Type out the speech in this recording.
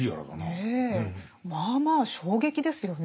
まあまあ衝撃ですよね。